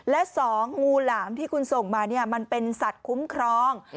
และสองงูหลามที่คุณส่งมามันเป็นสัตว์คุ้มครอง